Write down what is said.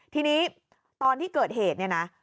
ทีนี้ตอนที่เกิดเหตุเนี่ยนะ